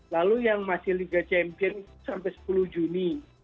lalu yang masih liga champion sampai sepuluh juni